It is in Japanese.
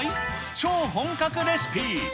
超本格レシピ。